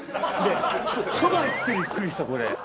そば行ってびっくりしたこれ。